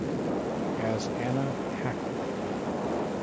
As Anna Hackel